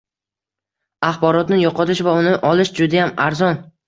Axborotni yoʻqotish va uni olish judayam arzon.